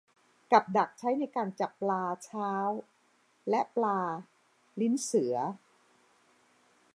กับดักใช้ในการจับปลาเช้าและ ปลาลิ้นเสือ